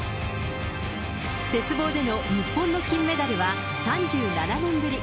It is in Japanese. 鉄棒での日本の金メダルは３７年ぶり。